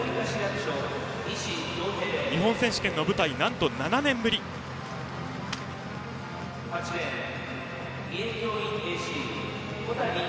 西恭平、日本選手権の舞台はなんと７年ぶりです。